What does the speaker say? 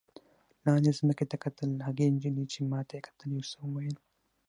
لاندې ځمکې ته کتل، هغې نجلۍ چې ما ته یې کتل یو څه وویل.